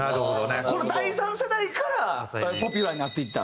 この第３世代からポピュラーになっていった？